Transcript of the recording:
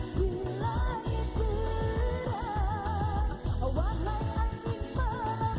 sangat rindu lewat dekat